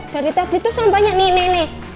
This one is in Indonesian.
dari tadi tuh sampahnya nih